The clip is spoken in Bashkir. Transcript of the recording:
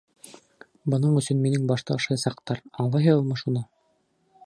Бының өсөн минең башты ашаясаҡтар, аңлайһығыҙмы шуны?